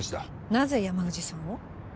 なぜ山藤さんを？